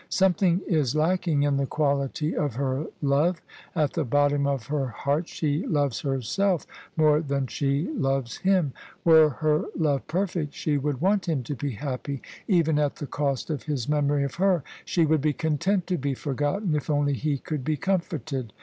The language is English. Something is lacking in the quality of her love : at the bottom of her heart she loves herself more than she loves him. Were her love perfect, she would want him to be happy even at the cost of his memory of her : she would be content to be forgotten if only he could be comforted.